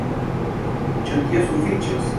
Ĉu tio sufiĉos?